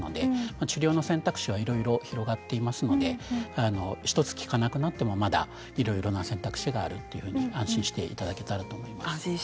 治療の選択肢はいろいろ広がっていますので１つ効かなくなってもまだいろいろな選択肢があるというふうに安心していただければと思います。